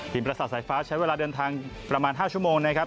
ประสาทสายฟ้าใช้เวลาเดินทางประมาณ๕ชั่วโมงนะครับ